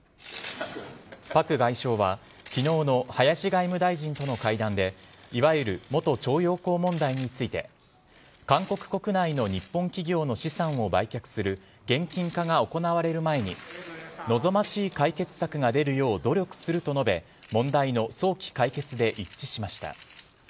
パク外相はきのうの林外務大臣との会談で、いわゆる元徴用工問題について、韓国国内の日本企業の資産を売却する現金化が行われる前に、望ましい解決策が出るよう努力すると述べ、問題の早期解決で一致しました。